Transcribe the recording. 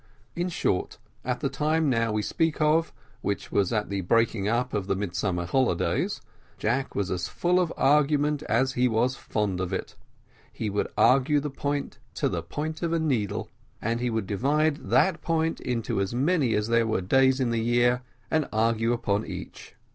In short, at the time we now speak of, which was at the breaking up of the Midsummer holidays, Jack was as full of argument as he was fond of it. He would argue the point to the point of a needle, and he would divide that point into as many as there were days of the year, and argue upon each.